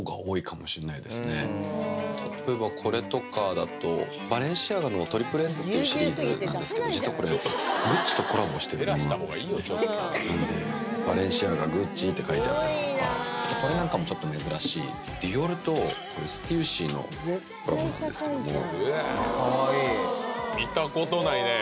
割と例えばこれとかだとバレンシアガのトリプルＳっていうシリーズなんですけど実はこれグッチとコラボしているものなんですねなのでバレンシアガグッチって書いてあったりとかこれなんかもちょっと珍しいディオールとステューシーのコラボなんですけども見たことないね